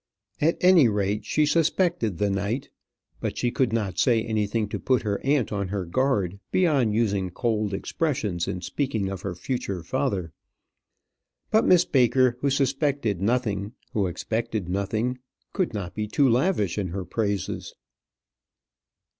At any rate, she suspected the knight, but she could not say anything to put her aunt on her guard beyond using cold expressions in speaking of her future father. But Miss Baker, who suspected nothing, who expected nothing, could not be too lavish in her praises.